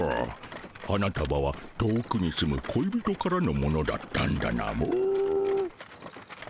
花たばは遠くに住むこい人からのものだったんだなモ。